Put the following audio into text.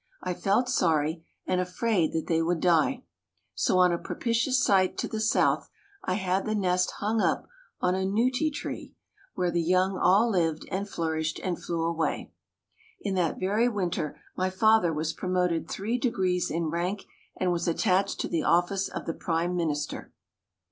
I felt sorry and afraid that they would die, so on a propitious site to the south I had the nest hung up on a neutie tree, where the young all lived and flourished and flew away. In that very winter my father was promoted three degrees in rank and was attached to the office of the Prime Minister.